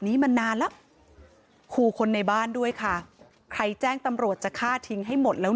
นี้มานานแล้วขู่คนในบ้านด้วยค่ะใครแจ้งตำรวจจะฆ่าทิ้งให้หมดแล้ว